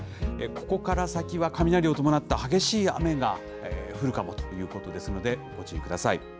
ここから先は雷を伴った激しい雨が降るかもということですので、ご注意ください。